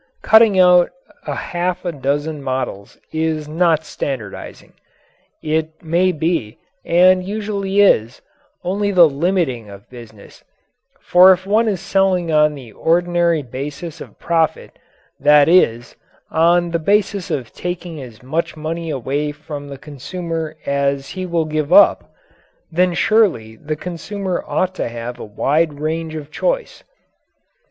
Cutting out a half a dozen models is not standardizing. It may be, and usually is, only the limiting of business, for if one is selling on the ordinary basis of profit that is, on the basis of taking as much money away from the consumer as he will give up then surely the consumer ought to have a wide range of choice.